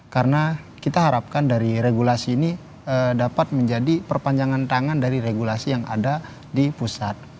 karena kita harapkan dari regulasi ini dapat menjadi perpanjangan tangan dari regulasi yang ada di pusat